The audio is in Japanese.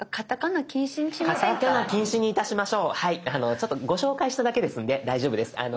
ちょっとご紹介しただけですんで大丈夫です。